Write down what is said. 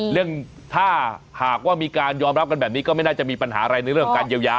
เรื่องถ้าหากว่ามีการยอมรับกันแบบนี้ก็ไม่น่าจะมีปัญหาอะไรในเรื่องการเยียวยา